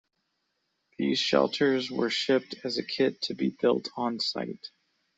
These shelters were shipped as a kit to be built on site.